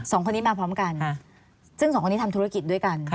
๒คนนี้มาพร้อมกัน